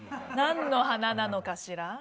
何の花なのかしら？